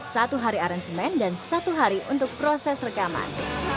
satu hari aransemen dan satu hari untuk proses rekaman